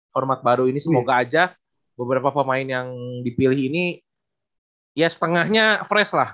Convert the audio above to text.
format baru ini semoga aja beberapa pemain yang dipilih ini ya setengahnya fresh lah